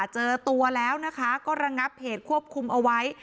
เจอตัวแล้วนะคะก็ระงับเหตุควบคุมเอาไว้